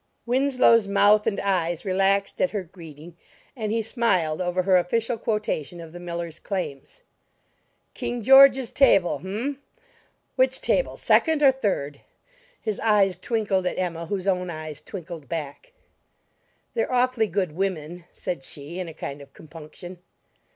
Winslow's mouth and eyes relaxed at her greeting, and he smiled over her official quotation of the Millers' claims. "King George's table? H'mn; which table, second or third?" His eyes twinkled at Emma, whose own eyes twinkled back. "They're awfully good women," said she, in a kind of compunction.